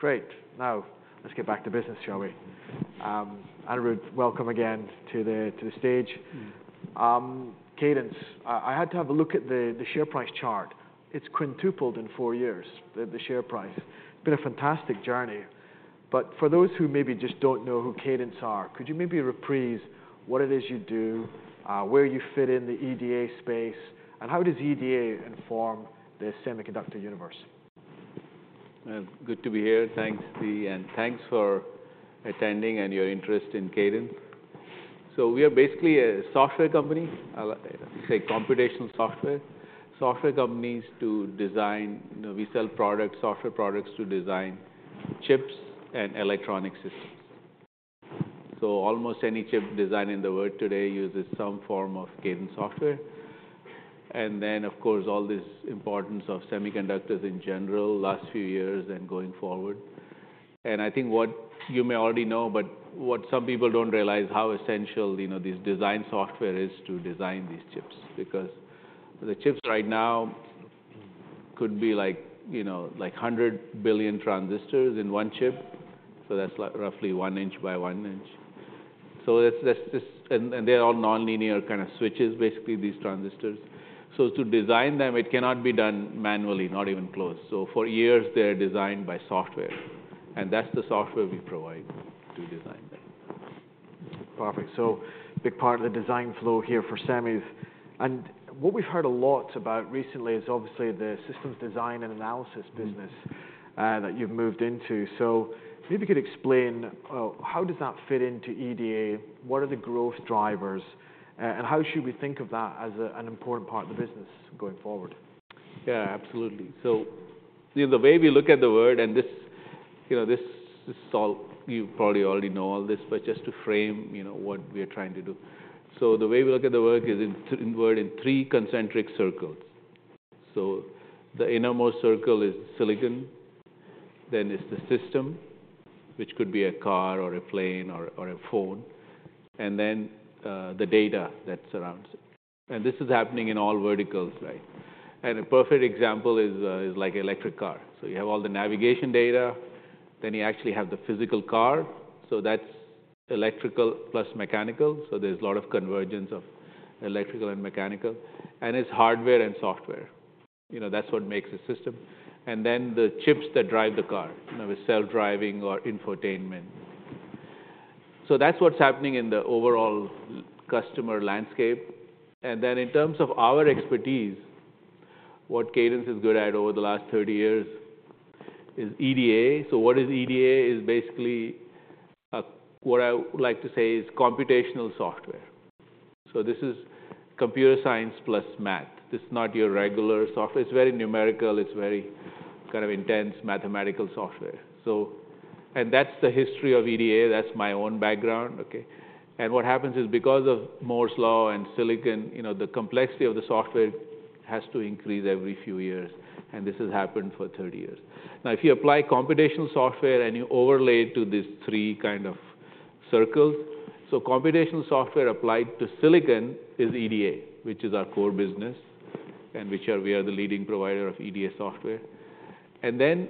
Great. Now, let's get back to business, shall we? Anirudh, welcome again to the stage. Cadence, I had to have a look at the share price chart. It's quintupled in four years, the share price. It's been a fantastic journey. But for those who maybe just don't know who Cadence are, could you maybe reprise what it is you do, where you fit in the EDA space, and how does EDA inform the semiconductor universe? Good to be here. Thanks, Steve, and thanks for attending and your interest in Cadence. So we are basically a software company, I'd say computational software. Software companies to design, you know, we sell products, software products to design chips and electronic systems. So almost any chip design in the world today uses some form of Cadence software. And then, of course, all this importance of semiconductors in general last few years and going forward. And I think what you may already know, but what some people don't realize is how essential, you know, this design software is to design these chips. Because the chips right now could be like, you know, like 100 billion transistors in one chip. So that's roughly 1 inch by 1 inch. So that's just and they're all non-linear kind of switches, basically, these transistors. To design them, it cannot be done manually, not even close. For years, they're designed by software. That's the software we provide to design them. Perfect. So a big part of the design flow here for semis. And what we've heard a lot about recently is obviously the System Design & Analysis business that you've moved into. So maybe you could explain, well, how does that fit into EDA? What are the growth drivers? And how should we think of that as an important part of the business going forward? Yeah, absolutely. So, you know, the way we look at the world and this, you know, this is all you probably already know all this, but just to frame, you know, what we are trying to do. So the way we look at the world is in the world in three concentric circles. So the innermost circle is silicon. Then is the system, which could be a car or a plane or a phone. And then the data that surrounds it. And this is happening in all verticals, right? And a perfect example is like an electric car. So you have all the navigation data. Then you actually have the physical car. So that's electrical plus mechanical. And it's hardware and software. You know, that's what makes a system. And then the chips that drive the car, you know, with self-driving or infotainment. So that's what's happening in the overall customer landscape. And then in terms of our expertise, what Cadence is good at over the last 30 years is EDA. So what is EDA is basically what I would like to say is computational software. So this is computer science plus math. This is not your regular software. It's very numerical. It's very kind of intense mathematical software. So and that's the history of EDA. That's my own background, okay? And what happens is because of Moore's Law and silicon, you know, the complexity of the software has to increase every few years. And this has happened for 30 years. Now, if you apply computational software and you overlay it to these three kind of circles so computational software applied to silicon is EDA, which is our core business and which we are the leading provider of EDA software. And then,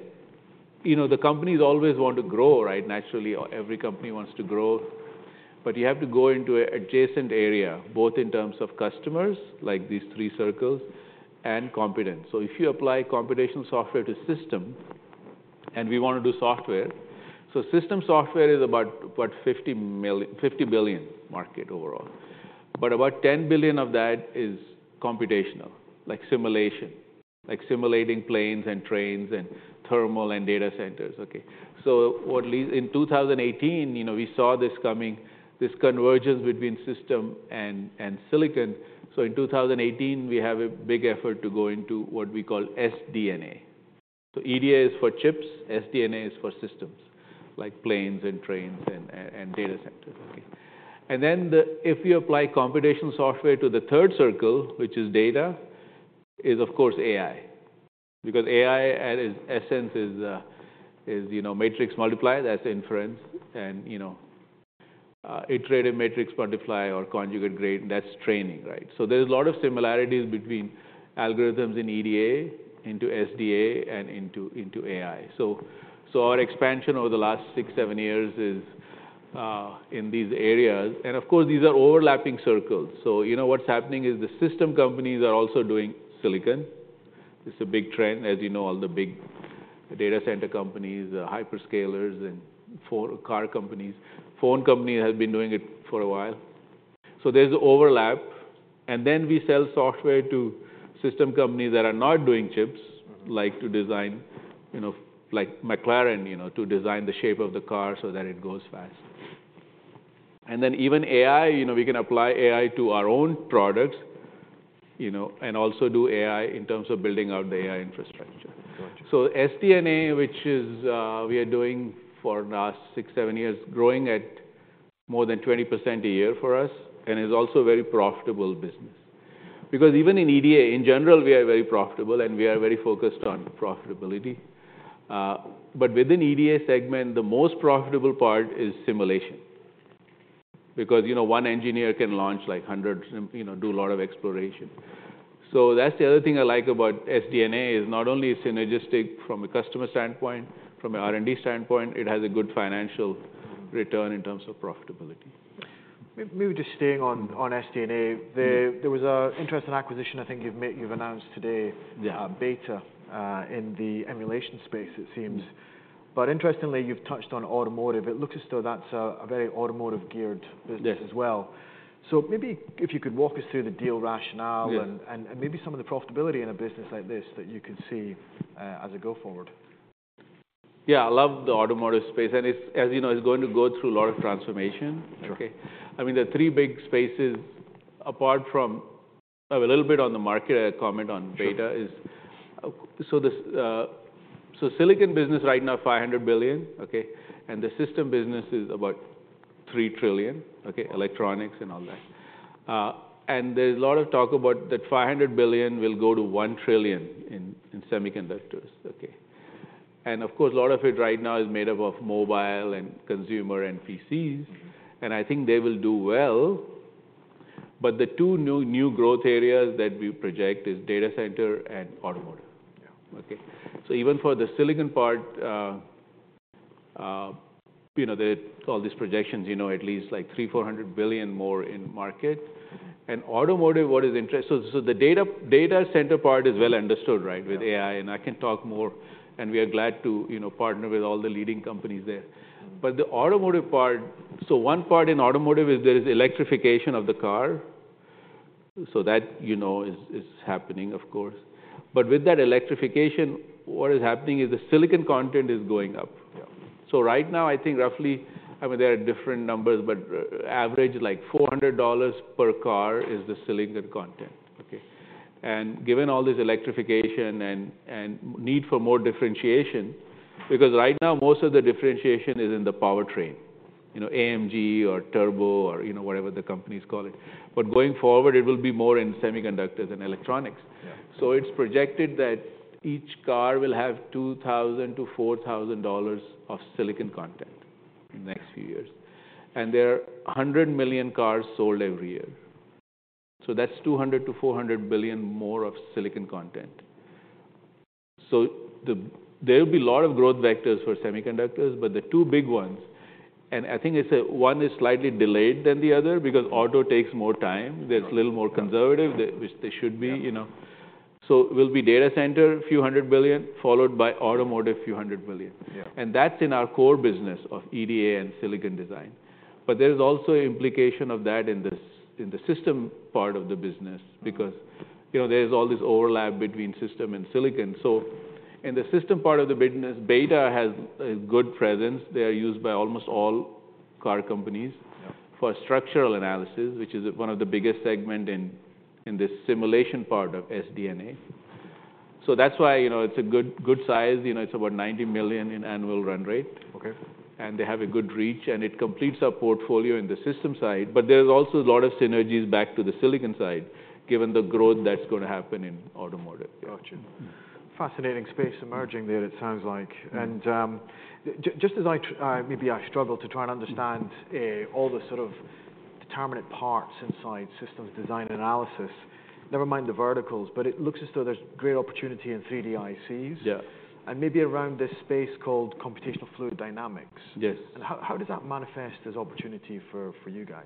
you know, the companies always want to grow, right, naturally. Every company wants to grow. But you have to go into an adjacent area, both in terms of customers, like these three circles, and competence. So if you apply computational software to a system and we want to do software so system software is about, what, $50 billion market overall. But about $10 billion of that is computational, like simulation, like simulating planes and trains and thermal and data centers, okay? So what leads in 2018, you know, we saw this coming, this convergence between system and silicon. So in 2018, we have a big effort to go into what we call SD&A. So EDA is for chips. SD&A is for systems, like planes and trains and data centers, okay? And then, if you apply computational software to the third circle, which is data, is, of course, AI. Because AI, in essence, is, you know, matrix multiply. That's inference. And, you know, iterative matrix multiply or conjugate gradient. That's training, right? So there's a lot of similarities between algorithms in EDA into SD&A and into AI. So our expansion over the last six, seven years is in these areas. And of course, these are overlapping circles. So, you know, what's happening is the system companies are also doing silicon. This is a big trend, as you know, all the big data center companies, hyperscalers, and car companies. Phone companies have been doing it for a while. So there's overlap. We sell software to system companies that are not doing chips, like to design, you know, like McLaren, you know, to design the shape of the car so that it goes fast. Even AI, you know, we can apply AI to our own products, you know, and also do AI in terms of building out the AI infrastructure. SD&A, which is we are doing for the last six-seven years, growing at more than 20% a year for us and is also a very profitable business. Because even in EDA, in general, we are very profitable, and we are very focused on profitability. But within the EDA segment, the most profitable part is simulation. Because, you know, one engineer can launch like 100, you know, do a lot of exploration. So that's the other thing I like about SD&A is not only synergistic from a customer standpoint, from an R&D standpoint, it has a good financial return in terms of profitability. Maybe just staying on SD&A, there was an interesting acquisition, I think, you've announced today, BETA CAE in the emulation space, it seems. But interestingly, you've touched on automotive. It looks as though that's a very automotive-geared business as well. So maybe if you could walk us through the deal rationale and maybe some of the profitability in a business like this that you could see as it goes forward. Yeah, I love the automotive space. And it's, as you know, it's going to go through a lot of transformation, okay? I mean, the three big spaces, apart from a little bit on the market, I comment on BETA, is so the silicon business right now is $500 billion, okay? And the system business is about $3 trillion, okay, electronics and all that. And there's a lot of talk about that $500 billion will go to $1 trillion in semiconductors, okay? And of course, a lot of it right now is made up of mobile and consumer PCs. And I think they will do well. But the two new growth areas that we project are data center and automotive, okay? So even for the silicon part, you know, there are all these projections, you know, at least like $300-$400 billion more in market. Automotive, what is interesting so the data center part is well understood, right, with AI. And I can talk more. We are glad to, you know, partner with all the leading companies there. But the automotive part so one part in automotive is there is electrification of the car. So that, you know, is happening, of course. But with that electrification, what is happening is the silicon content is going up. So right now, I think roughly I mean, there are different numbers, but average, like $400 per car is the silicon content, okay? And given all this electrification and need for more differentiation because right now, most of the differentiation is in the powertrain, you know, AMG or Turbo or, you know, whatever the companies call it. But going forward, it will be more in semiconductors and electronics. So it's projected that each car will have $2,000-$4,000 of silicon content in the next few years. There are 100 million cars sold every year. So that's $200 billion-$400 billion more of silicon content. So there will be a lot of growth vectors for semiconductors. But the two big ones and I think it's one is slightly delayed than the other because auto takes more time. They're a little more conservative, which they should be, you know. So it will be data center, a few hundred billion, followed by automotive, a few hundred billion. And that's in our core business of EDA and silicon design. But there is also implication of that in the system part of the business because, you know, there is all this overlap between system and silicon. So in the system part of the business, BETA has a good presence. They are used by almost all car companies for structural analysis, which is one of the biggest segments in this simulation part of SD&A. So that's why, you know, it's a good size. You know, it's about $90 million in annual run rate. And they have a good reach. And it completes our portfolio in the system side. But there's also a lot of synergies back to the silicon side, given the growth that's going to happen in automotive. Gotcha. Fascinating space emerging there, it sounds like. And just as I maybe struggle to try and understand all the sort of determinant parts inside System Design & Analysis, never mind the verticals, but it looks as though there's great opportunity in 3D ICs and maybe around this space called computational fluid dynamics. And how does that manifest as opportunity for you guys?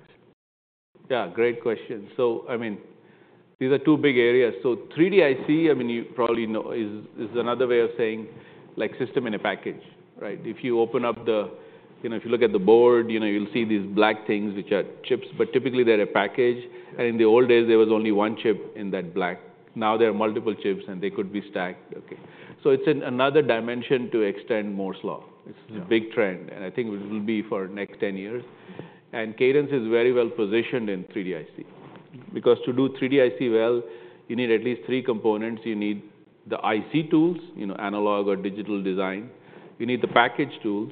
Yeah, great question. So I mean, these are two big areas. So 3D IC, I mean, you probably know, is another way of saying, like, System-in-Package, right? If you open up the, you know, if you look at the board, you know, you'll see these black things, which are chips. But typically, they're a package. And in the old days, there was only one chip in that black. Now, there are multiple chips, and they could be stacked, okay? So it's another dimension to extend Moore's Law. It's a big trend. And I think it will be for the next 10 years. And Cadence is very well positioned in 3D IC. Because to do 3D IC well, you need at least three components. You need the IC tools, you know, analog or digital design. You need the package tools.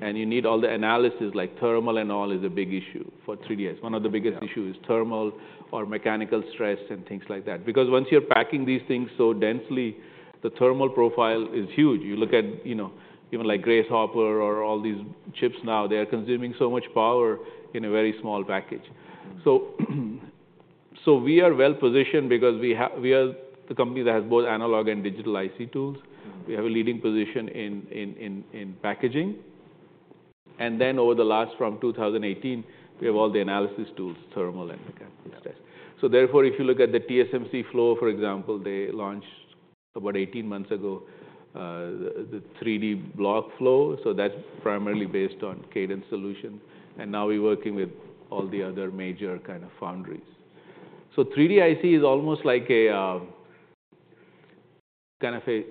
And you need all the analysis, like thermal and all is a big issue for 3D IC. One of the biggest issues is thermal or mechanical stress and things like that. Because once you're packing these things so densely, the thermal profile is huge. You look at, you know, even like Grace Hopper or all these chips now, they are consuming so much power in a very small package. So we are well positioned because we are the company that has both analog and digital IC tools. We have a leading position in packaging. And then over the last from 2018, we have all the analysis tools, thermal and mechanical stress. So therefore, if you look at the TSMC flow, for example, they launched about 18 months ago the 3Dblox flow. So that's primarily based on Cadence solutions. Now, we're working with all the other major kind of foundries. 3D IC is almost like a kind of a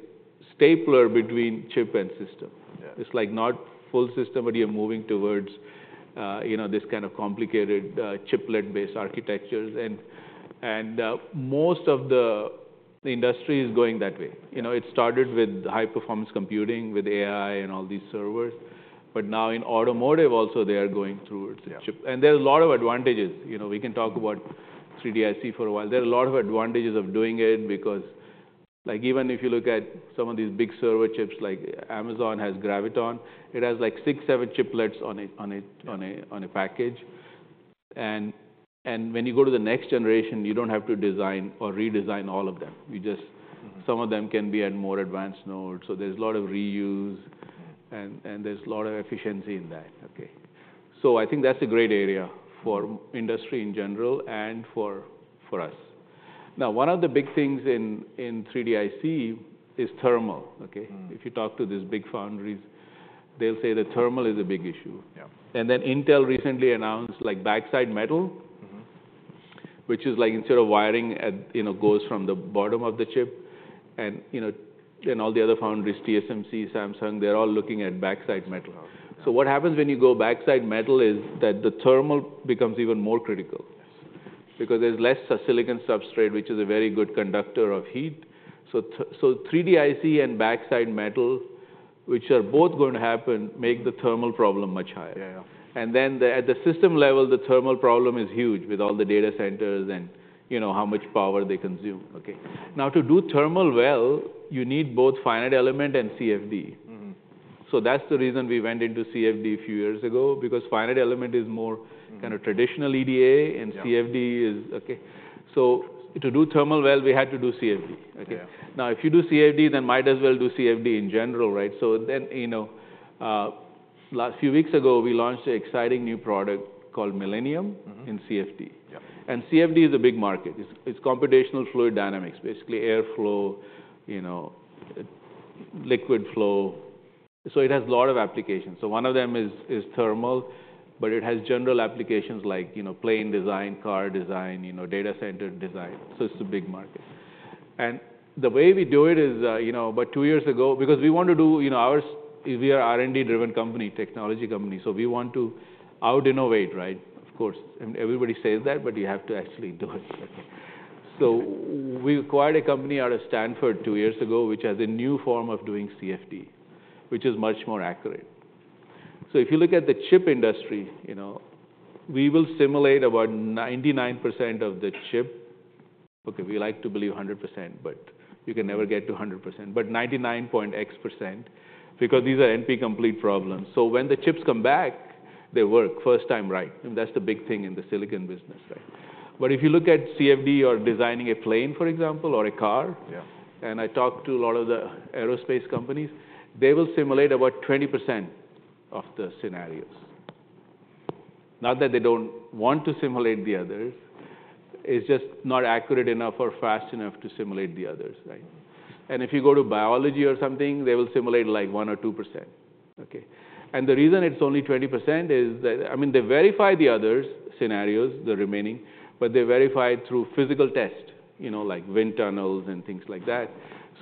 stapler between chip and system. It's like not full system, but you're moving towards, you know, this kind of complicated chiplet-based architectures. And most of the industry is going that way. You know, it started with high-performance computing with AI and all these servers. But now, in automotive, also, they are going towards chip. And there are a lot of advantages. You know, we can talk about 3D IC for a while. There are a lot of advantages of doing it because, like, even if you look at some of these big server chips, like Amazon has Graviton. It has, like, six, seven chiplets on a package. And when you go to the next generation, you don't have to design or redesign all of them. You just some of them can be at more advanced nodes. So there's a lot of reuse. And there's a lot of efficiency in that, okay? So I think that's a great area for industry in general and for us. Now, one of the big things in 3D IC is thermal, okay? If you talk to these big foundries, they'll say that thermal is a big issue. And then Intel recently announced, like, backside metal, which is, like, instead of wiring, you know, goes from the bottom of the chip. And, you know, then all the other foundries, TSMC, Samsung, they're all looking at backside metal. So what happens when you go backside metal is that the thermal becomes even more critical because there's less silicon substrate, which is a very good conductor of heat. So 3D IC and backside metal, which are both going to happen, make the thermal problem much higher. And then at the system level, the thermal problem is huge with all the data centers and, you know, how much power they consume, okay? Now, to do thermal well, you need both finite element and CFD. So that's the reason we went into CFD a few years ago because finite element is more kind of traditional EDA. And CFD is, okay? So to do thermal well, we had to do CFD, okay? Now, if you do CFD, then might as well do CFD in general, right? So then, you know, a few weeks ago, we launched an exciting new product called Millennium in CFD. And CFD is a big market. It's computational fluid dynamics, basically air flow, you know, liquid flow. So it has a lot of applications. So one of them is thermal. But it has general applications like, you know, plane design, car design, you know, data center design. So it's a big market. And the way we do it is, you know, about two years ago because we want to do, you know, our we are an R&D-driven company, technology company. So we want to out-innovate, right? Of course, everybody says that, but you have to actually do it, okay? So we acquired a company out of Stanford two years ago, which has a new form of doing CFD, which is much more accurate. So if you look at the chip industry, you know, we will simulate about 99% of the chip. OK, we like to believe 100%, but you can never get to 100%, but 99.x% because these are NP-Complete problems. So when the chips come back, they work first time right. And that's the big thing in the silicon business, right? But if you look at CFD or designing a plane, for example, or a car, and I talk to a lot of the aerospace companies, they will simulate about 20% of the scenarios. Not that they don't want to simulate the others. It's just not accurate enough or fast enough to simulate the others, right? And if you go to biology or something, they will simulate, like, 1% or 2%, okay? And the reason it's only 20% is that, I mean, they verify the other scenarios, the remaining. But they verify it through physical tests, you know, like wind tunnels and things like that.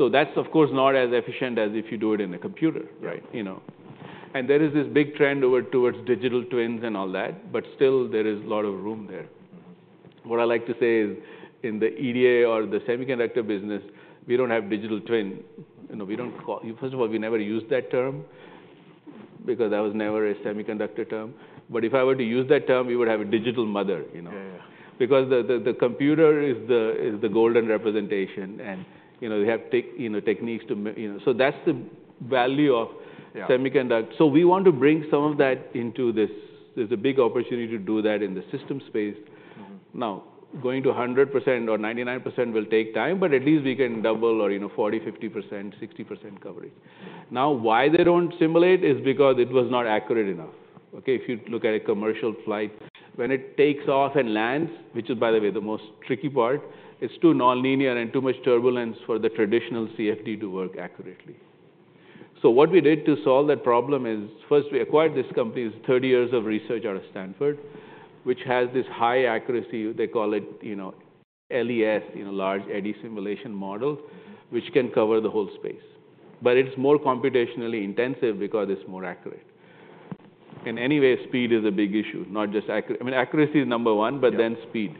So that's, of course, not as efficient as if you do it in a computer, right, you know? And there is this big trend towards digital twins and all that. But still, there is a lot of room there. What I like to say is in the EDA or the semiconductor business, we don't have digital twin. You know, we don't first of all, we never used that term because that was never a semiconductor term. But if I were to use that term, we would have a digital mother, you know? Because the computer is the golden representation. And, you know, you have techniques to, you know so that's the value of semiconductor. So we want to bring some of that into this. There's a big opportunity to do that in the system space. Now, going to 100% or 99% will take time. But at least, we can double or, you know, 40%, 50%, 60% coverage. Now, why they don't simulate is because it was not accurate enough, okay? If you look at a commercial flight, when it takes off and lands, which is, by the way, the most tricky part, it's too nonlinear and too much turbulence for the traditional CFD to work accurately. So what we did to solve that problem is first, we acquired this company. It's 30 years of research out of Stanford, which has this high accuracy. They call it, you know, LES, you know, Large Eddy Simulation Model, which can cover the whole space. But it's more computationally intensive because it's more accurate. In any way, speed is a big issue, not just accuracy. I mean, accuracy is number one, but then speed.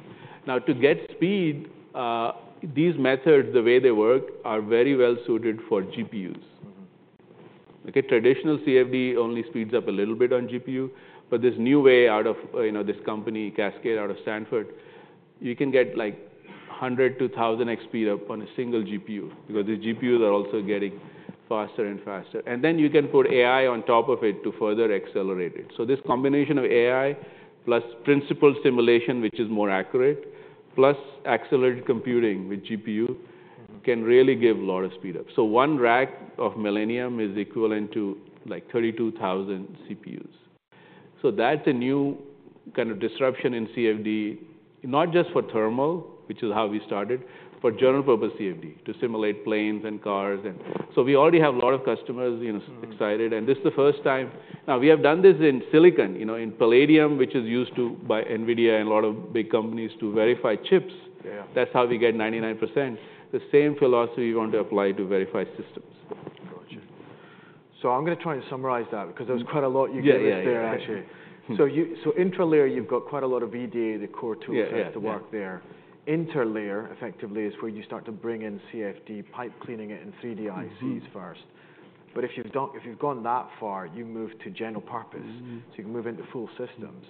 Now, to get speed, these methods, the way they work, are very well suited for GPUs, okay? Traditional CFD only speeds up a little bit on GPU. But this new way out of, you know, this company, Cascade, out of Stanford, you can get, like, 100-1,000x speed up on a single GPU because these GPUs are also getting faster and faster. And then you can put AI on top of it to further accelerate it. So this combination of AI plus physics-based simulation, which is more accurate, plus accelerated computing with GPU can really give a lot of speed up. So one rack of Millennium is equivalent to, like, 32,000 CPUs. So that's a new kind of disruption in CFD, not just for thermal, which is how we started, but general-purpose CFD to simulate planes and cars. And so we already have a lot of customers, you know, excited. This is the first time now, we have done this in silicon, you know, in Palladium, which is used by NVIDIA and a lot of big companies to verify chips. That's how we get 99%. The same philosophy we want to apply to verify systems. Gotcha. So I'm going to try and summarize that because there was quite a lot you gave us there, actually. So intralayer, you've got quite a lot of EDA, the core tool set, to work there. Interlayer, effectively, is where you start to bring in CFD, pipe-cleaning it in 3D ICs first. But if you've gone that far, you move to general-purpose. So you can move into full systems.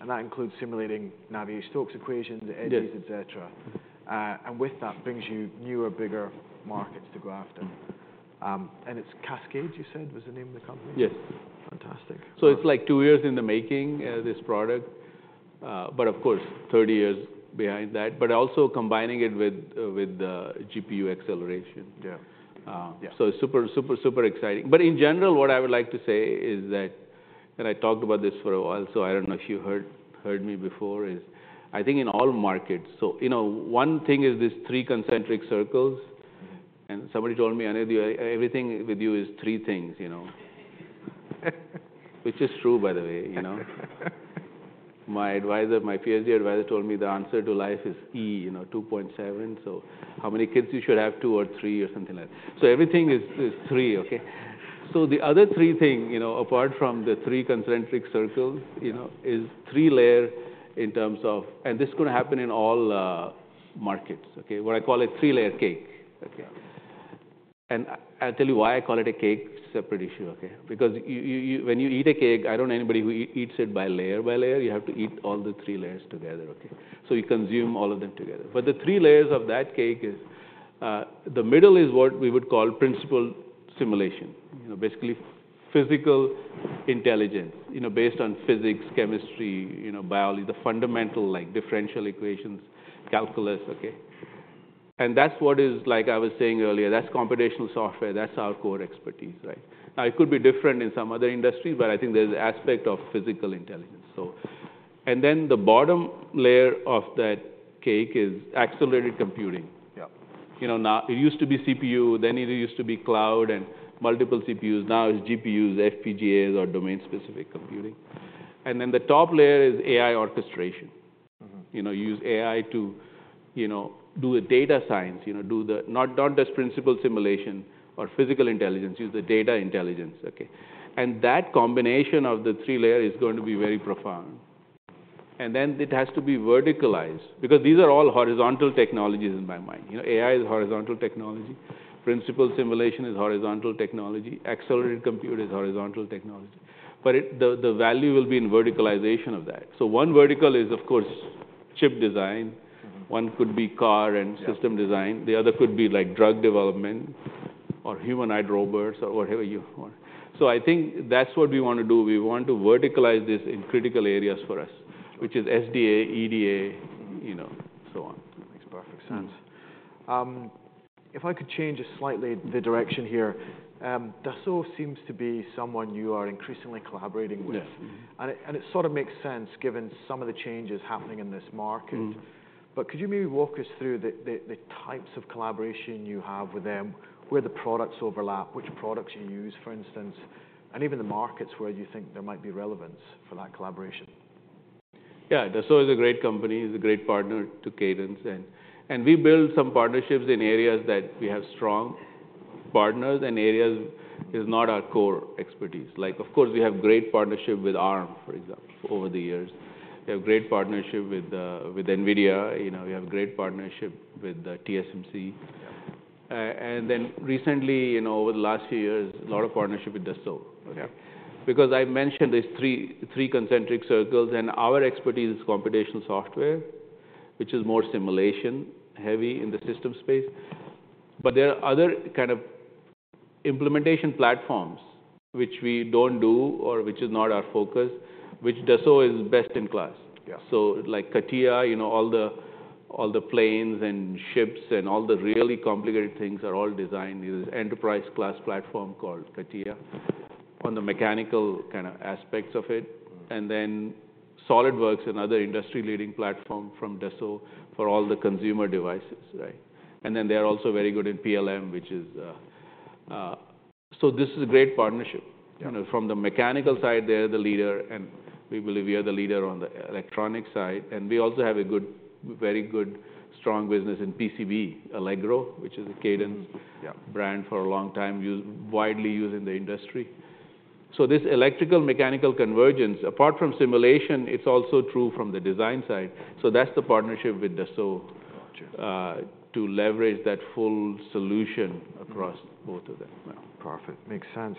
And that includes simulating Navier-Stokes equations, LES, etc. And with that, it brings you newer, bigger markets to go after. And it's Cascade, you said, was the name of the company? Yes. Fantastic. So it's, like, two years in the making, this product, but, of course, 30 years behind that, but also combining it with GPU acceleration. So it's super, super, super exciting. But in general, what I would like to say is that and I talked about this for a while. So I don't know if you heard me before is I think in all markets so, you know, one thing is these three concentric circles. And somebody told me, "Anirudh, everything with you is three things," you know, which is true, by the way, you know? My advisor, my PhD advisor, told me the answer to life is e, you know, 2.7. So how many kids you should have? Two or three or something like that. So everything is three, okay? So the other three things, you know, apart from the three concentric circles, you know, is three-layer in terms of and this is going to happen in all markets, okay? What I call a three-layer cake, okay? And I'll tell you why I call it a cake separate issue, okay? Because when you eat a cake, I don't know anybody who eats it layer by layer. You have to eat all the three layers together, okay? So you consume all of them together. But the three layers of that cake is the middle is what we would call principal simulation, you know, basically physical intelligence, you know, based on physics, chemistry, you know, biology, the fundamental, like, differential equations, calculus, okay? And that's what is, like I was saying earlier, that's computational software. That's our core expertise, right? Now, it could be different in some other industries. But I think there's an aspect of physical intelligence. So and then the bottom layer of that cake is accelerated computing. You know, now, it used to be CPU. Then it used to be cloud and multiple CPUs. Now, it's GPUs, FPGAs, or domain-specific computing. And then the top layer is AI orchestration. You know, you use AI to, you know, do the data science, you know, do the not just physical simulation or physical intelligence. Use the data intelligence, okay? And that combination of the three layers is going to be very profound. And then it has to be verticalized because these are all horizontal technologies in my mind. You know, AI is horizontal technology. Physical simulation is horizontal technology. Accelerated compute is horizontal technology. But the value will be in verticalization of that. So one vertical is, of course, chip design. One could be car and system design. The other could be, like, drug development or humanoid robots or whatever you want. So I think that's what we want to do. We want to verticalize this in critical areas for us, which is SD&A, EDA, you know, so on. Makes perfect sense. If I could change slightly the direction here, Dassault seems to be someone you are increasingly collaborating with. It sort of makes sense given some of the changes happening in this market. But could you maybe walk us through the types of collaboration you have with them, where the products overlap, which products you use, for instance, and even the markets where you think there might be relevance for that collaboration? Yeah. Dassault is a great company. It's a great partner to Cadence. And we build some partnerships in areas that we have strong partners and areas is not our core expertise. Like, of course, we have great partnership with Arm, for example, over the years. We have great partnership with NVIDIA. You know, we have great partnership with TSMC. And then recently, you know, over the last few years, a lot of partnership with Dassault, okay? Because I mentioned these three concentric circles. And our expertise is computational software, which is more simulation-heavy in the system space. But there are other kind of implementation platforms, which we don't do or which is not our focus, which Dassault is best in class. So, like, CATIA, you know, all the planes and ships and all the really complicated things are all designed. There's an enterprise-class platform called CATIA on the mechanical kind of aspects of it. And then SOLIDWORKS, another industry-leading platform from Dassault for all the consumer devices, right? And then they are also very good in PLM, which is so this is a great partnership. You know, from the mechanical side, they're the leader. And we believe we are the leader on the electronic side. And we also have a good, very good, strong business in PCB, Allegro, which is a Cadence brand for a long time, widely used in the industry. So this electrical-mechanical convergence, apart from simulation, it's also true from the design side. So that's the partnership with Dassault to leverage that full solution across both of them. Perfect. Makes sense.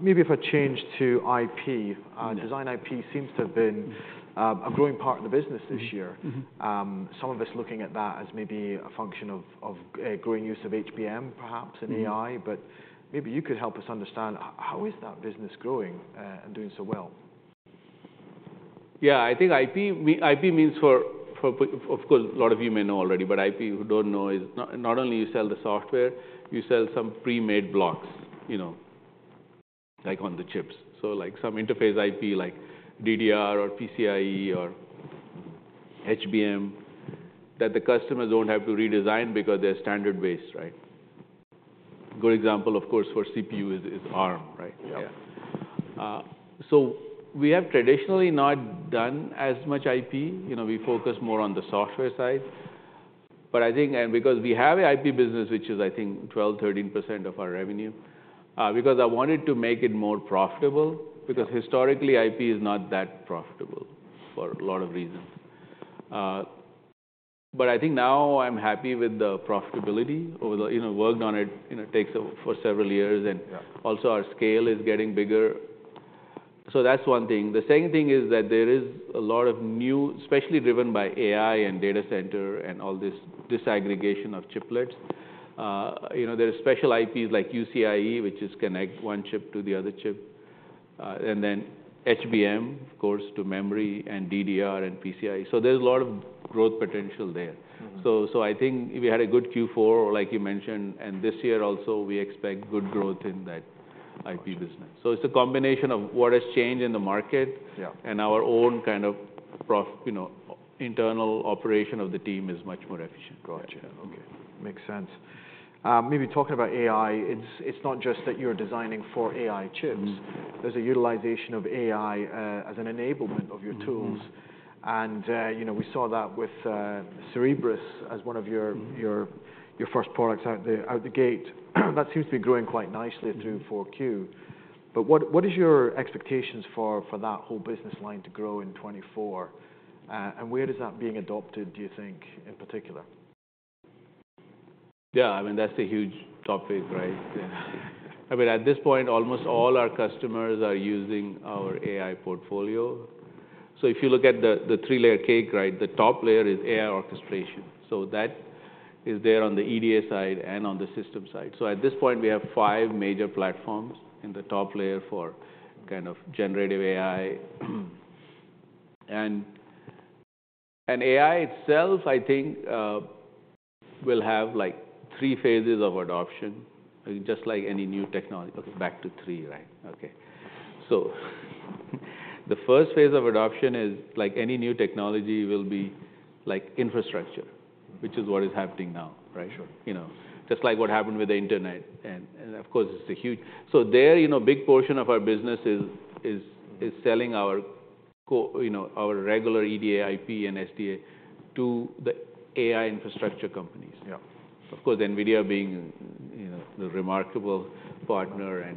Maybe if I change to IP. Design IP seems to have been a growing part of the business this year, some of us looking at that as maybe a function of growing use of HBM, perhaps, and AI. But maybe you could help us understand, how is that business growing and doing so well? Yeah. I think IP means for, of course, a lot of you may know already. But IP, who don't know, is not only you sell the software, you sell some pre-made blocks, you know, like on the chips. So, like, some interface IP, like DDR or PCIe or HBM, that the customers don't have to redesign because they're standard-based, right? Good example, of course, for CPU is Arm, right? So we have traditionally not done as much IP. You know, we focus more on the software side. But I think, and because we have an IP business, which is, I think, 12%, 13% of our revenue, because I wanted to make it more profitable because historically, IP is not that profitable for a lot of reasons. But I think now, I'm happy with the profitability over the, you know, worked on it, you know, takes for several years. And also, our scale is getting bigger. So that's one thing. The second thing is that there is a lot of new, especially driven by AI and data center and all this disaggregation of chiplets. You know, there are special IPs, like UCIe, which is connect one chip to the other chip, and then HBM, of course, to memory and DDR and PCIe. So there's a lot of growth potential there. So I think if we had a good Q4, like you mentioned, and this year also, we expect good growth in that IP business. So it's a combination of what has changed in the market and our own kind of, you know, internal operation of the team is much more efficient. Gotcha. OK. Makes sense. Maybe talking about AI, it's not just that you're designing for AI chips. There's a utilization of AI as an enablement of your tools. And, you know, we saw that with Cerebras as one of your first products out the gate. That seems to be growing quite nicely through 4Q. But what is your expectations for that whole business line to grow in 2024? And where is that being adopted, do you think, in particular? Yeah. I mean, that's a huge topic, right? I mean, at this point, almost all our customers are using our AI portfolio. So if you look at the three-layer cake, right, the top layer is AI orchestration. So that is there on the EDA side and on the system side. So at this point, we have five major platforms in the top layer for kind of generative AI. And AI itself, I think, will have, like, three phases of adoption, just like any new technology. OK, back to three, right? OK. So the first phase of adoption is, like any new technology, will be, like, infrastructure, which is what is happening now, right? You know, just like what happened with the internet. Of course, it's a huge so there, you know, a big portion of our business is selling our, you know, our regular EDA, IP, and SD&A to the AI infrastructure companies. Of course, NVIDIA being, you know, the remarkable partner.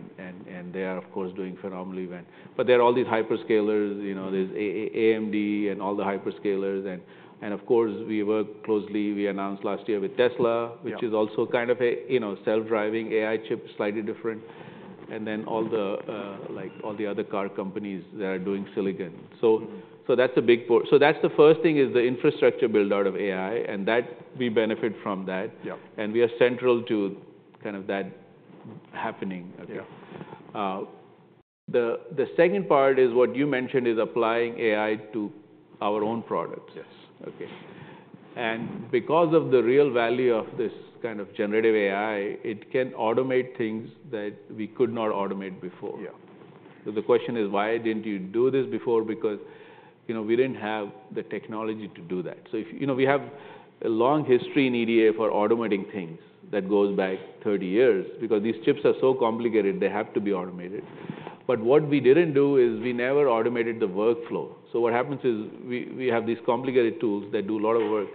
They are, of course, doing phenomenally well. But there are all these hyperscalers. You know, there's AMD and all the hyperscalers. Of course, we work closely. We announced last year with Tesla, which is also kind of a, you know, self-driving AI chip, slightly different. Then all the, like, all the other car companies that are doing silicon. So that's a big so that's the first thing is the infrastructure build-out of AI. We benefit from that. We are central to kind of that happening, okay? The second part is what you mentioned is applying AI to our own products, okay? And because of the real value of this kind of generative AI, it can automate things that we could not automate before. So the question is, why didn't you do this before? Because, you know, we didn't have the technology to do that. So, you know, we have a long history in EDA for automating things that goes back 30 years because these chips are so complicated, they have to be automated. But what we didn't do is we never automated the workflow. So what happens is we have these complicated tools that do a lot of work.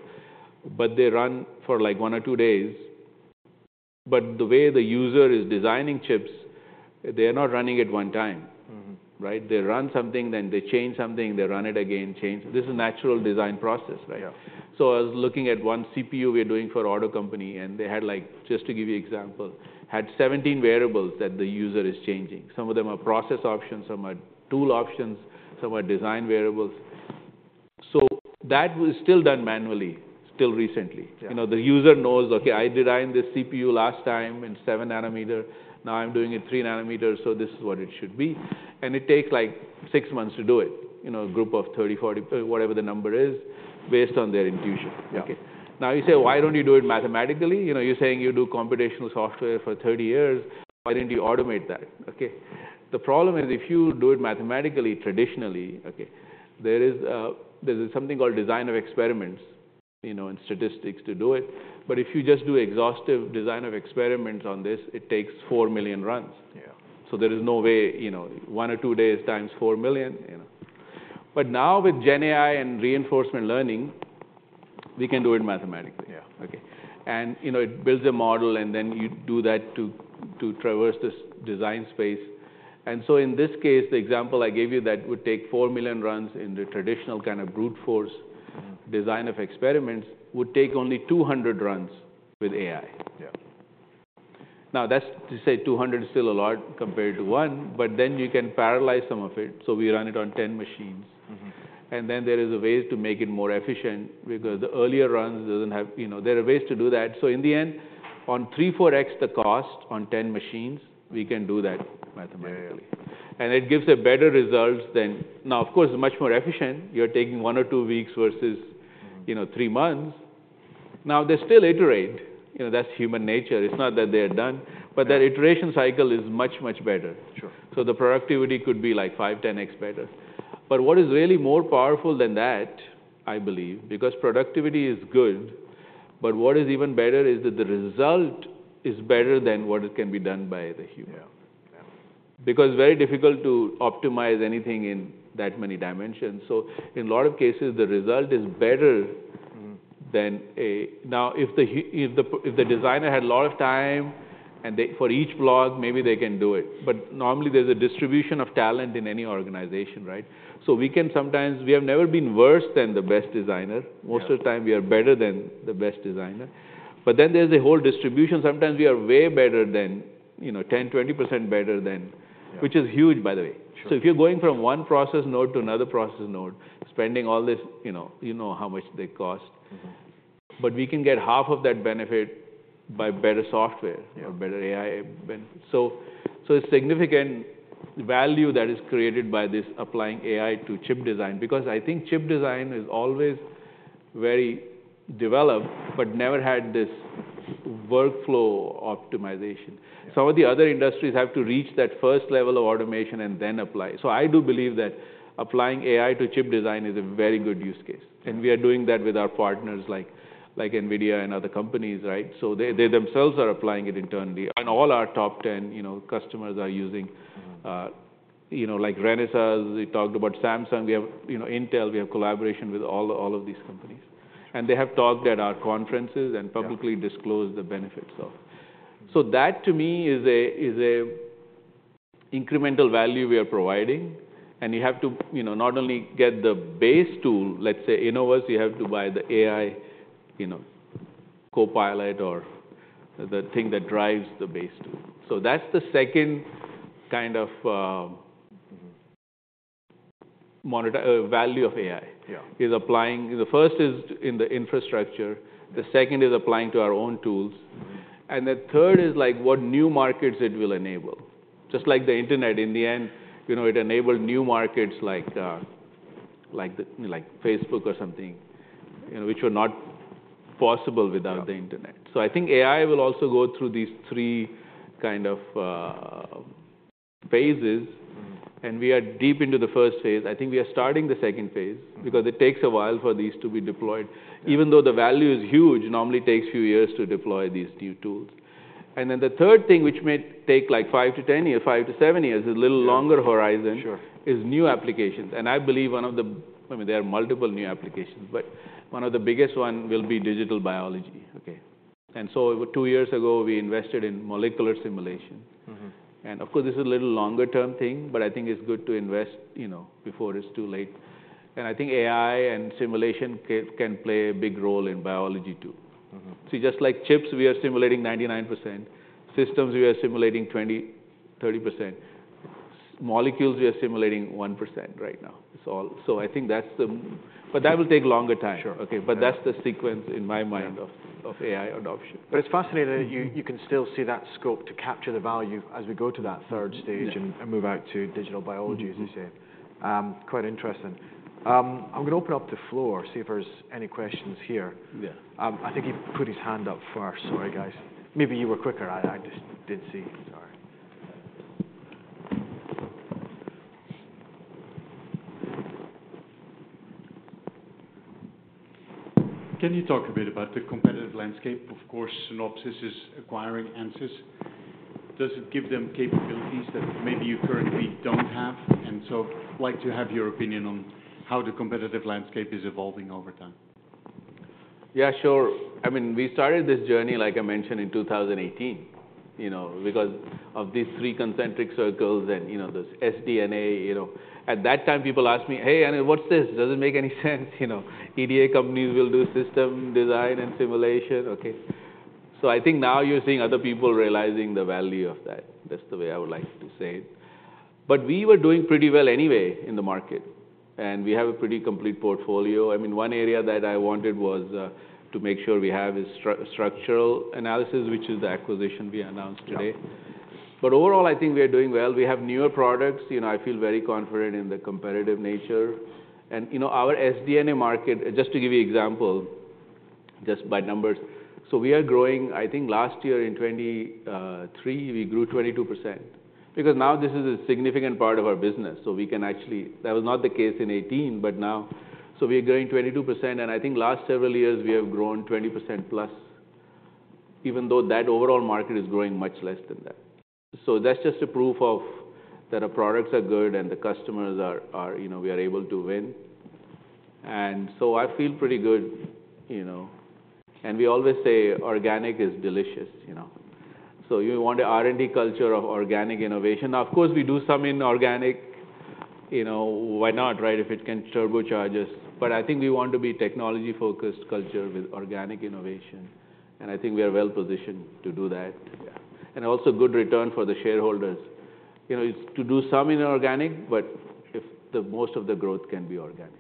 But they run for, like, one or two days. But the way the user is designing chips, they are not running it one time, right? They run something. Then they change something. They run it again, change. This is a natural design process, right? So I was looking at one CPU we are doing for an auto company. And they had, like, just to give you an example, had 17 variables that the user is changing. Some of them are process options. Some are tool options. Some are design variables. So that was still done manually, still recently. You know, the user knows, OK, I designed this CPU last time in 7 nanometers. Now, I'm doing it 3 nanometers. So this is what it should be. And it takes, like, six months to do it, you know, a group of 30, 40, whatever the number is, based on their intuition, okay? Now, you say, why don't you do it mathematically? You know, you're saying you do computational software for 30 years. Why didn't you automate that, okay? The problem is, if you do it mathematically, traditionally, okay, there is something called design of experiments, you know, and statistics to do it. But if you just do exhaustive design of experiments on this, it takes 4 million runs. So there is no way, you know, one or two days times 4 million, you know? But now, with GenAI and reinforcement learning, we can do it mathematically, okay? And, you know, it builds a model. And then you do that to traverse this design space. And so in this case, the example I gave you that would take 4 million runs in the traditional kind of brute-force design of experiments would take only 200 runs with AI. Now, that's to say 200 is still a lot compared to one. But then you can parallelize some of it. So we run it on 10 machines. Then there is a way to make it more efficient because the earlier runs doesn't have, you know, there are ways to do that. So in the end, on 3x-4x the cost on 10 machines, we can do that mathematically. And it gives better results than now, of course. It's much more efficient. You're taking one or two weeks versus, you know, three months. Now, they still iterate. You know, that's human nature. It's not that they are done. But that iteration cycle is much, much better. So the productivity could be, like, 5x-10x better. But what is really more powerful than that, I believe, because productivity is good. But what is even better is that the result is better than what can be done by the human. Because it's very difficult to optimize anything in that many dimensions. So in a lot of cases, the result is better than a now, if the designer had a lot of time and for each block, maybe they can do it. But normally, there's a distribution of talent in any organization, right? So we can sometimes we have never been worse than the best designer. Most of the time, we are better than the best designer. But then there's a whole distribution. Sometimes, we are way better than, you know, 10%, 20% better than, which is huge, by the way. So if you're going from one process node to another process node, spending all this, you know, you know how much they cost. But we can get half of that benefit by better software or better AI benefit. So it's significant value that is created by this applying AI to chip design because I think chip design is always very developed but never had this workflow optimization. Some of the other industries have to reach that first level of automation and then apply. So I do believe that applying AI to chip design is a very good use case. And we are doing that with our partners, like NVIDIA and other companies, right? So they themselves are applying it internally. And all our top 10, you know, customers are using, you know, like Renesas. We talked about Samsung. We have, you know, Intel. We have collaboration with all of these companies. And they have talked at our conferences and publicly disclosed the benefits of. So that, to me, is an incremental value we are providing. And you have to, you know, not only get the base tool. Let's say, in Office, you have to buy the AI, you know, Copilot or the thing that drives the base tool. So that's the second kind of value of AI is applying. The first is in the infrastructure. The second is applying to our own tools. And the third is, like, what new markets it will enable, just like the internet. In the end, you know, it enabled new markets like, like Facebook or something, you know, which were not possible without the internet. So I think AI will also go through these three kind of phases. And we are deep into the first phase. I think we are starting the second phase because it takes a while for these to be deployed. Even though the value is huge, it normally takes a few years to deploy these new tools. And then the third thing, which may take, like, five to 10 years, five, seven years, a little longer horizon, is new applications. And I believe one of the—I mean, there are multiple new applications. But one of the biggest ones will be digital biology, okay? And so two years ago, we invested in molecular simulation. And, of course, this is a little longer-term thing. But I think it's good to invest, you know, before it's too late. And I think AI and simulation can play a big role in biology too. See, just like chips, we are simulating 99%. Systems, we are simulating 20%, 30%. Molecules, we are simulating 1% right now. It's all so I think that's the—but that will take longer time, okay? But that's the sequence in my mind of AI adoption. But it's fascinating that you can still see that scope to capture the value as we go to that third stage and move out to digital biology, as you say. Quite interesting. I'm going to open up the floor, see if there's any questions here. I think he put his hand up first. Sorry, guys. Maybe you were quicker. I just didn't see. Sorry. Can you talk a bit about the competitive landscape? Of course, Synopsys is acquiring Ansys. Does it give them capabilities that maybe you currently don't have? And so I'd like to have your opinion on how the competitive landscape is evolving over time. Yeah, sure. I mean, we started this journey, like I mentioned, in 2018, you know, because of these three concentric circles and, you know, this SD&A. You know, at that time, people asked me, hey, Anirudh, what's this? Doesn't make any sense. You know, EDA companies will do system design and simulation. Okay. So I think now, you're seeing other people realizing the value of that. That's the way I would like to say it. But we were doing pretty well anyway in the market. And we have a pretty complete portfolio. I mean, one area that I wanted was to make sure we have is structural analysis, which is the acquisition we announced today. But overall, I think we are doing well. We have newer products. You know, I feel very confident in the competitive nature. You know, our SD&A market, just to give you an example, just by numbers, so we are growing. I think last year, in 2023, we grew 22% because now, this is a significant part of our business. So we can actually that was not the case in 2018. But now, so we are growing 22%. And I think last several years, we have grown 20%+, even though that overall market is growing much less than that. So that's just proof that our products are good and the customers are, you know, we are able to win. And so I feel pretty good, you know. And we always say organic is delicious, you know? So we want an R&D culture of organic innovation. Now, of course, we do some inorganic. You know, why not, right, if it can turbocharge us? But I think we want to be a technology-focused culture with organic innovation. And I think we are well-positioned to do that, yeah, and also a good return for the shareholders. You know, it's to do some inorganic. But most of the growth can be organic.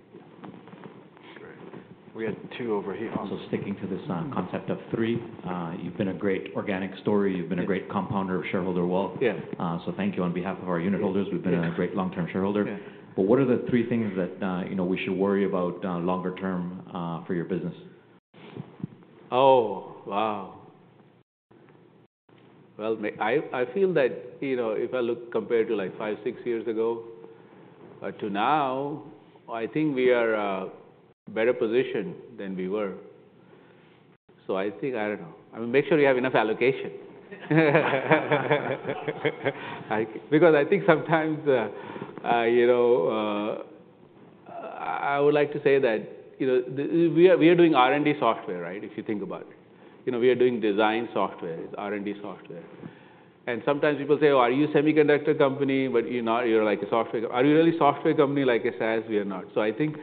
Great. We had two over here. So sticking to this concept of three, you've been a great organic story. You've been a great compounder of shareholder wealth. So thank you on behalf of our unit holders. We've been a great long-term shareholder. But what are the three things that, you know, we should worry about longer term for your business? Oh, wow. Well, I feel that, you know, if I look compared to, like, five, six years ago to now, I think we are better positioned than we were. So I think I don't know. I mean, make sure you have enough allocation because I think sometimes, you know, I would like to say that, you know, we are doing R&D software, right, if you think about it. You know, we are doing design software. It's R&D software. And sometimes, people say, oh, are you a semiconductor company? But you're not. You're like a software company. Are you really a software company, like SaaS? We are not. So I think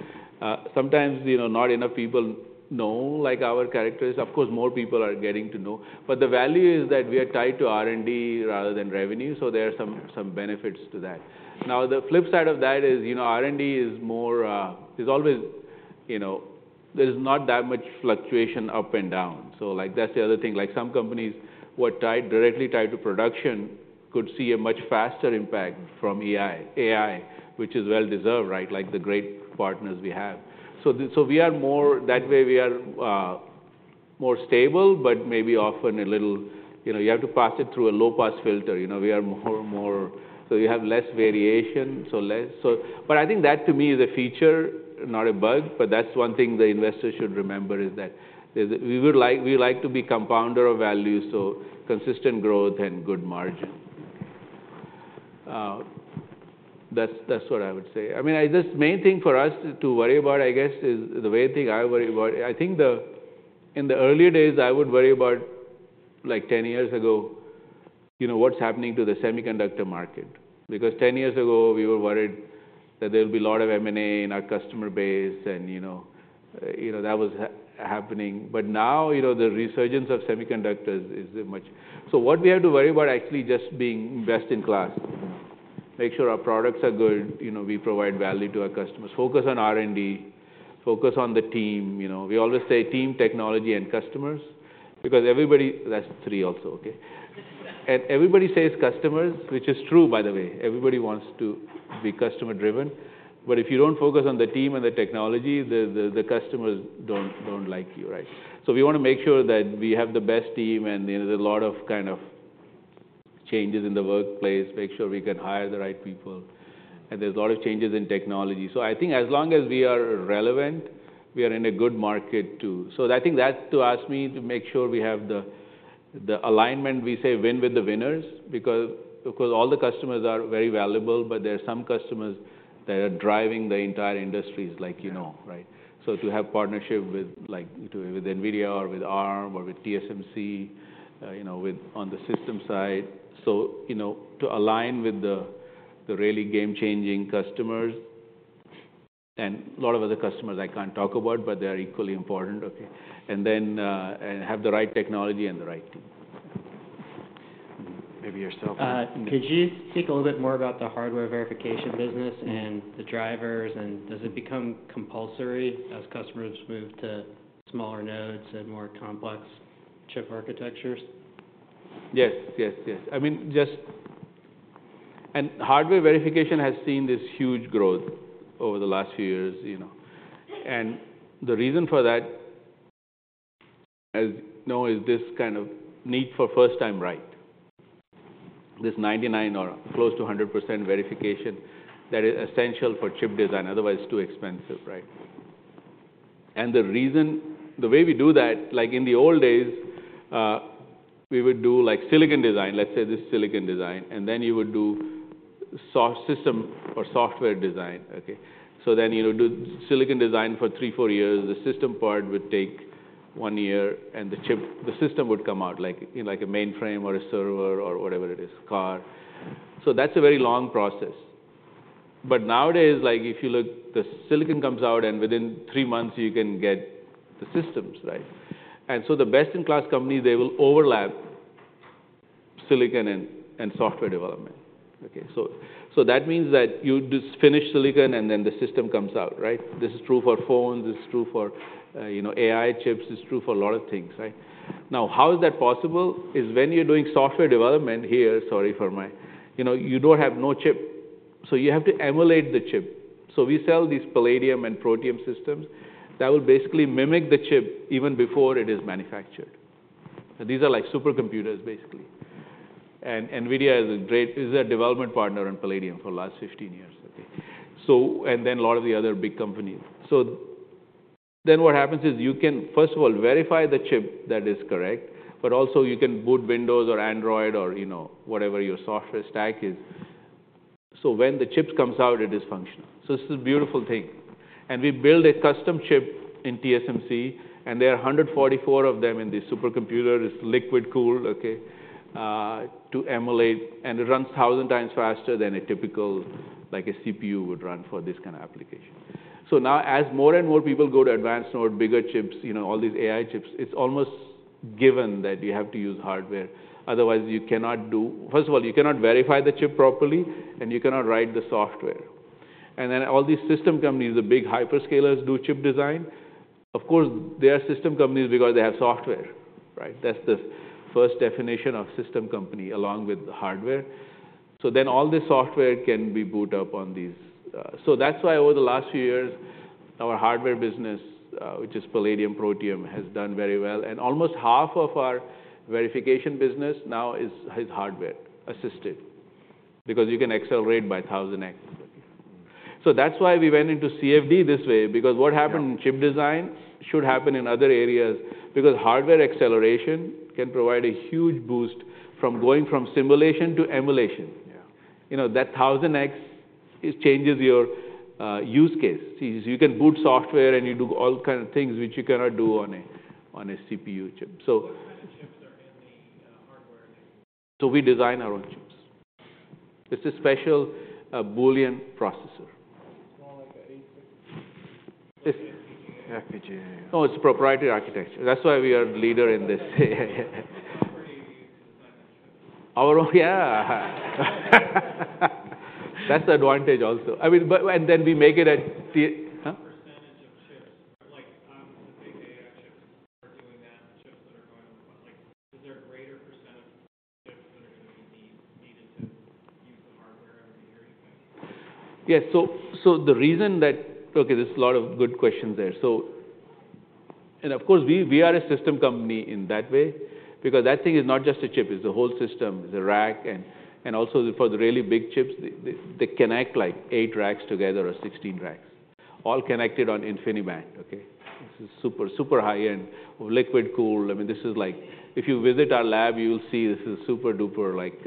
sometimes, you know, not enough people know, like, our characteristics. Of course, more people are getting to know. But the value is that we are tied to R&D rather than revenue. So there are some benefits to that. Now, the flip side of that is, you know, R&D is more, it's always, you know, there's not that much fluctuation up and down. So, like, that's the other thing. Like, some companies who are directly tied to production could see a much faster impact from AI, which is well-deserved, right, like the great partners we have. So we are more that way, we are more stable but maybe often a little, you know, you have to pass it through a low-pass filter. You know, we are more so you have less variation. So less. But I think that, to me, is a feature, not a bug. But that's one thing the investors should remember is that we would like we like to be a compounder of value, so consistent growth and good margin. That's what I would say. I mean, this main thing for us to worry about, I guess, is the main thing I worry about. I think in the earlier days, I would worry about, like, 10 years ago, you know, what's happening to the semiconductor market because 10 years ago, we were worried that there would be a lot of M&A in our customer base. And, you know, you know, that was happening. But now, you know, the resurgence of semiconductors is much so what we have to worry about actually is just being best in class, you know, make sure our products are good, you know, we provide value to our customers, focus on R&D, focus on the team. You know, we always say team, technology, and customers because everybody that's three also, okay? And everybody says customers, which is true, by the way. Everybody wants to be customer-driven. But if you don't focus on the team and the technology, the customers don't like you, right? So we want to make sure that we have the best team. And there's a lot of kind of changes in the workplace. Make sure we can hire the right people. And there's a lot of changes in technology. So I think as long as we are relevant, we are in a good market too. So I think that, to ask me, to make sure we have the alignment, we say win with the winners because all the customers are very valuable. But there are some customers that are driving the entire industries, like you know, right? So to have partnership with, like, with NVIDIA or with Arm or with TSMC, you know, on the system side, so, you know, to align with the really game-changing customers and a lot of other customers I can't talk about. But they are equally important, okay, and then have the right technology and the right team. Maybe your cell phone. Could you speak a little bit more about the hardware verification business and the drivers? Does it become compulsory as customers move to smaller nodes and more complex chip architectures? Yes, yes, yes. I mean, just in hardware verification has seen this huge growth over the last few years, you know. And the reason for that, as you know, is this kind of need for first-time right, this 99% or close to 100% verification that is essential for chip design, otherwise too expensive, right? And the reason, the way we do that, like, in the old days, we would do, like, silicon design. Let's say this is silicon design. And then you would do soft system or software design, okay? So then, you know, do silicon design for three, four years. The system part would take one year. And the chip, the system would come out, like, in, like, a mainframe or a server or whatever it is, car. So that's a very long process. But nowadays, like, if you look, the silicon comes out. Within three months, you can get the systems, right? And so the best-in-class companies, they will overlap silicon and software development, okay? So that means that you just finish silicon. And then the system comes out, right? This is true for phones. This is true for, you know, AI chips. It's true for a lot of things, right? Now, how is that possible? It's when you're doing software development. Sorry for my, you know, you don't have no chip. So you have to emulate the chip. So we sell these Palladium and Protium systems that will basically mimic the chip even before it is manufactured. These are, like, supercomputers, basically. And NVIDIA is a great development partner on Palladium for the last 15 years, okay, and then a lot of the other big companies. So then what happens is you can, first of all, verify the chip that is correct. But also, you can boot Windows or Android or, you know, whatever your software stack is. So when the chips comes out, it is functional. So this is a beautiful thing. And we build a custom chip in TSMC. And there are 144 of them in these supercomputers. It's liquid-cooled, okay, to emulate. And it runs 1,000 times faster than a typical, like, a CPU would run for this kind of application. So now, as more and more people go to advanced node, bigger chips, you know, all these AI chips, it's almost given that you have to use hardware. Otherwise, you cannot do first of all, you cannot verify the chip properly. And you cannot write the software. And then all these system companies, the big hyperscalers, do chip design. Of course, they are system companies because they have software, right? That's the first definition of system company along with hardware. So then all this software can be boot up on these so that's why, over the last few years, our hardware business, which is Palladium, Protium, has done very well. And almost half of our verification business now is hardware-assisted because you can accelerate by 1,000x. So that's why we went into CFD this way because what happened in chip design should happen in other areas because hardware acceleration can provide a huge boost from going from simulation to emulation. You know, that 1,000x changes your use case. See, you can boot software. And you do all kinds of things which you cannot do on a CPU chip. So. What kind of chips are in the hardware? We design our own chips. This is a special Boolean processor. It's more like an ASIC. It's FPGA. Oh, it's proprietary architecture. That's why we are the leader in this. Property of you to design that chip? Our own? Yeah. That's the advantage also. I mean, but and then we make it at. Percentage of chips, like, the big AI chips are doing that and chips that are going, like, is there a greater percent of chips that are going to be needed to use the hardware? I don't hear anything. Yes. So the reason, okay, there's a lot of good questions there. So, of course, we are a system company in that way because that thing is not just a chip. It's the whole system. It's a rack. And also, for the really big chips, they connect, like, 8 racks together or 16 racks, all connected on InfiniBand, okay, which is super, super high-end, liquid-cooled. I mean, this is, like, if you visit our lab, you will see this is super-duper, like,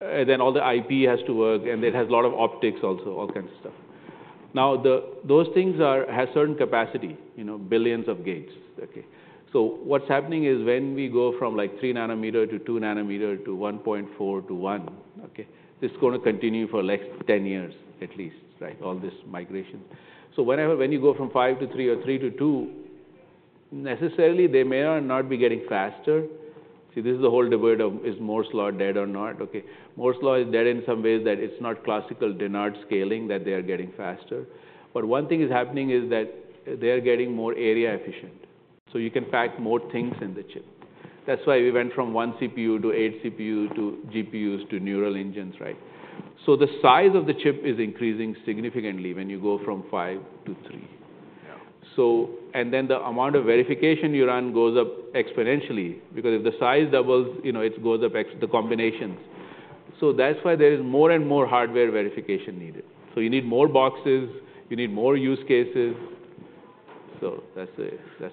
and then all the IP has to work. And it has a lot of optics also, all kinds of stuff. Now, those things have certain capacity, you know, billions of gates, okay? So what's happening is when we go from, like, 3 nanometer to 2 nanometer to 1.4 to 1, okay, this is going to continue for the next 10 years at least, right, all this migration. So whenever when you go from 5 to 3 or 3 to 2, necessarily, they may or not be getting faster. See, this is the whole debate of is Moore's Law dead or not, okay? Moore's Law is dead in some ways that it's not classical Dennard scaling that they are getting faster. But one thing is happening is that they are getting more area-efficient. So you can pack more things in the chip. That's why we went from 1 CPU to 8 CPUs to GPUs to neural engines, right? So the size of the chip is increasing significantly when you go from 5 to 3. And then the amount of verification you run goes up exponentially because if the size doubles, you know, it goes up the combinations. That's why there is more and more hardware verification needed. You need more boxes. You need more use cases. That's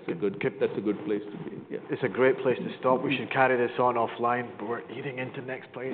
a good place to be, yeah. It's a great place to stop. We should carry this on offline. But we're eating into next place.